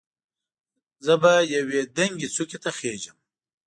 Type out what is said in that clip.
زه به یوې دنګې څوکې ته خېژم.